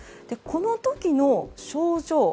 この時の症状